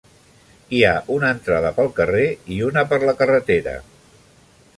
Hi ha una entrada pel carrer i una per la carretera.